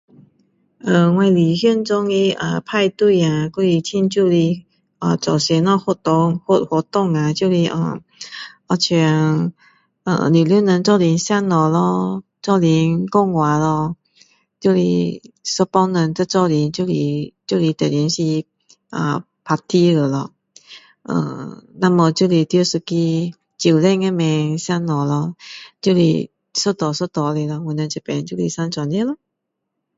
呃我理想中的派对啊还是做什么活动啊就是呃好像全部人一起吃东西咯一起讲话咯就是一班人在一起就等于是 party 了咯呃要不就是在一个酒店上面吃东西咯就是一桌一桌的咯我们这里就是生这样的咯